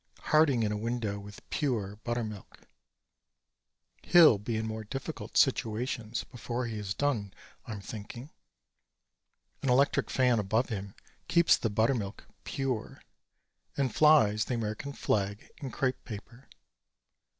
Harding in a window with "pure buttermilk." He'll be in more difficult situations before he is done, I'm thinking. An electric fan above him that keeps the buttermilk "pure" and flies the American flag in crepe paper.